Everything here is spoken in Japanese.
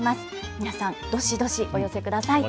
皆さんどしどしお寄せください。